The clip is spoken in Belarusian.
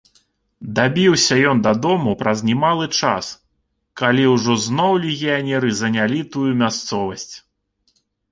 Дабіўся ён дадому праз немалы час, калі ўжо зноў легіянеры занялі тую мясцовасць.